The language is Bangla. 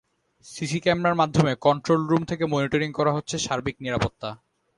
সিসি ক্যামেরার মাধ্যমে কন্ট্রোল রুম থেকে মনিটরিং করা হচ্ছে সার্বিক নিরাপত্তা।